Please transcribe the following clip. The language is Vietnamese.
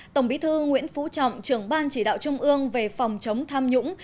tổng bí thư nguyễn phú trọng trưởng ban chỉ đạo trung ương về phòng chống tham nhũng